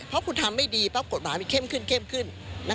เพราะคุณทำไม่ดีป้อกฎหมามันเข้มขึ้นขึ้น